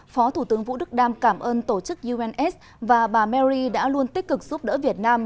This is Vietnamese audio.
phó thủ tướng vũ đức đam cảm ơn tổ chức uns và bà mary đã luôn tích cực giúp đỡ việt nam